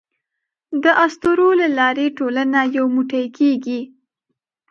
د اسطورو له لارې ټولنه یو موټی کېږي.